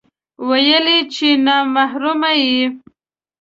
ويل يې چې نا محرمه يې